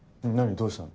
どうしたの？